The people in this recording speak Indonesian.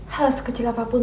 hal sekecil apapun